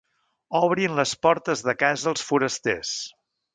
Obrin les portes de casa als forasters.